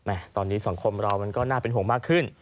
ตอนนี้สังคมเรามันก็น่าเป็นห่วงมากขึ้น